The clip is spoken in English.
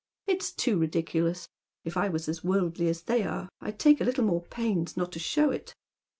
It's too ridiculous. 7f I was as worldly as they are, I'd take a little more pains not to show it."